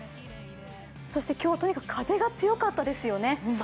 そして今日はとにかく風が強かったですよね。